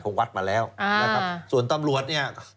วัดมาแล้วนะครับส่วนตำรวจเนี่ย